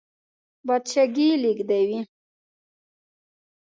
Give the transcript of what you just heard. باد شګې لېږدوي